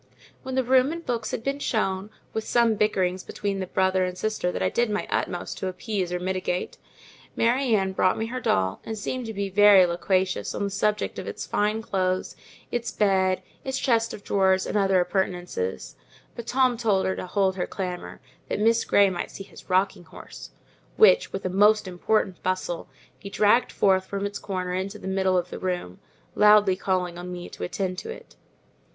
When the room and books had been shown, with some bickerings between the brother and sister that I did my utmost to appease or mitigate, Mary Ann brought me her doll, and began to be very loquacious on the subject of its fine clothes, its bed, its chest of drawers, and other appurtenances; but Tom told her to hold her clamour, that Miss Grey might see his rocking horse, which, with a most important bustle, he dragged forth from its corner into the middle of the room, loudly calling on me to attend to it.